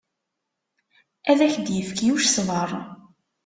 Ad ak-d-yefk Yuc ṣṣber.